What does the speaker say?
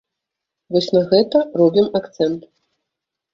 Вось на гэта робім акцэнт.